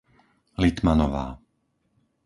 Litmanová